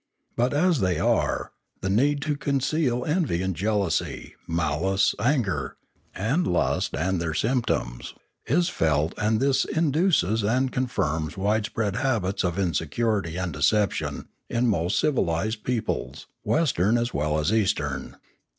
But, as they are, the need to conceal envy and jealousy, malice, anger, and lust and their symptoms, is felt, and this induces and con firms wide spread habits of insincerity and deception in most civilised peoples, Western as well as Eastern.